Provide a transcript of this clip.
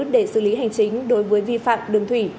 để xử lý hành chính đối với vi phạm đường thủy